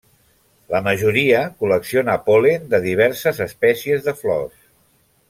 La majoria col·lecciona pol·len de diverses espècies de flors.